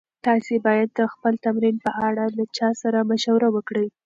تاسي باید د خپل تمرین په اړه له چا سره مشوره وکړئ.